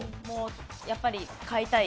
やっぱり買いたい。